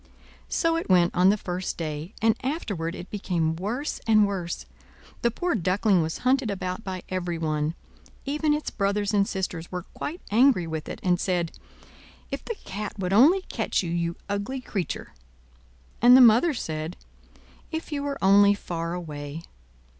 So it went on the first day; and afterward it became worse and worse. The poor Duckling was hunted about by everyone: even its brothers and sisters were quite angry with it, and said: "If the cat would only catch you, you ugly creature!" And the mother said: "If you were only far away!"